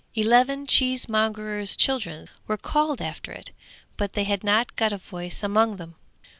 Eleven cheesemongers' children were called after it, but they had not got a voice among them.